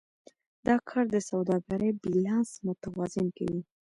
دا کار د سوداګرۍ بیلانس متوازن کوي.